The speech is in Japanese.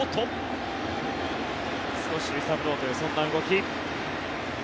少し揺さぶろうというそんな動き。